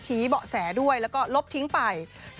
เบาะแสด้วยแล้วก็ลบทิ้งไป